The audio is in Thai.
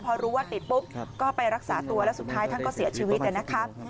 พอรู้ว่าติดปุ๊บก็ไปรักษาตัวแล้วสุดท้ายท่านก็เสียชีวิตนะครับ